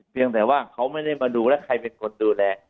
เพียงแต่ว่าเขาไม่ได้มาดูแล้วใครเป็นคนดูแล